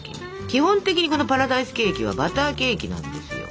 基本的にこのパラダイスケーキはバターケーキなんですよ。